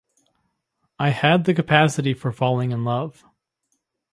I had the capacity for falling in love.